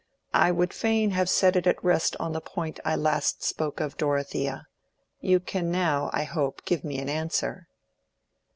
"I would fain have it set at rest on the point I last spoke of, Dorothea. You can now, I hope, give me an answer."